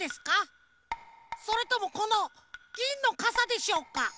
それともこのぎんのかさでしょうか？